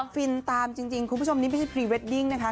ฟินตามจริงคุณผู้ชมนี่ไม่ใช่พรีเวดดิ้งนะคะ